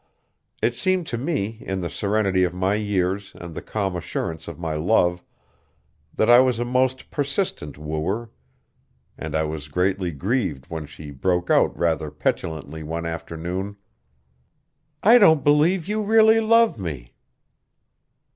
It seemed to me, in the serenity of my years and the calm assurance of my love, that I was a most persistent wooer, and I was greatly grieved when she broke out rather petulantly one afternoon: "I don't believe you really love me."